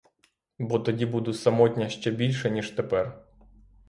Бо тоді буду самотня ще більше, ніж тепер.